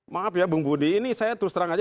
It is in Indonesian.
maaf ya bung budi ini saya terus terang aja